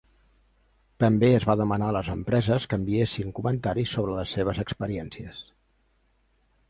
També es va demanar a les empreses que enviessin comentaris sobre les seves experiències.